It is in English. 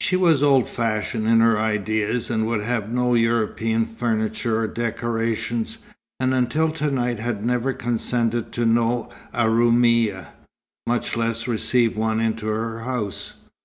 She was old fashioned in her ideas, would have no European furniture or decorations, and until to night had never consented to know a Roumia, much less receive one into her house.